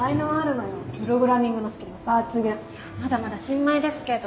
まだまだ新米ですけど。